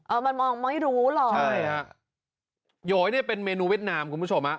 มันมองไม่รู้หรอกใช่ฮะโยยเนี้ยเป็นเมนูเวียดนามคุณผู้ชมฮะ